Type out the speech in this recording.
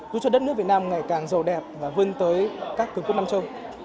giúp cho đất nước việt nam ngày càng giàu đẹp và vươn tới các cường quốc nam châu